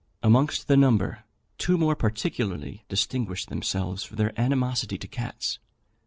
Amongst the number, two more particularly distinguished themselves for their animosity to cats.